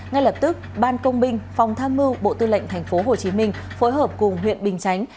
ngay lập tức ban công binh phòng tham mưu bộ tư lệnh tp hcm phối hợp cùng huyện bình chánh